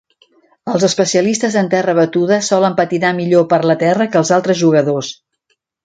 Els especialistes en terra batuda solen patinar millor per la terra que els altres jugadors.